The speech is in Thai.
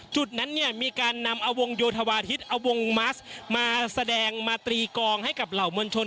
จุดนั้นเนี่ยมีการนำเอาวงโยธวาทิศเอาวงมัสมาแสดงมาตรีกองให้กับเหล่ามวลชน